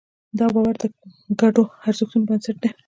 دا باور د ګډو ارزښتونو بنسټ دی.